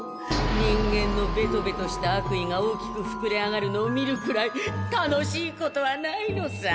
人間のベトベトした悪意が大きくふくれ上がるのを見るくらい楽しいことはないのさ。